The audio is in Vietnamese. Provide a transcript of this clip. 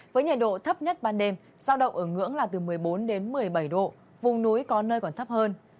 với nhiệt độ thấp nhất ban đêm giao động ở ngưỡng là từ một mươi bốn đến một mươi bảy độ vùng núi có nơi còn thấp hơn